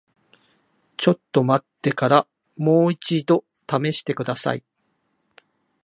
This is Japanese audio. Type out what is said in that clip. ちょっと待ってからもう一度試してください。